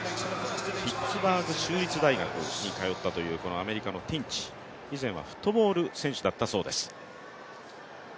ピッツバーグ州立大学に通っていたティンチ、以前はフットボール選手だったそうです。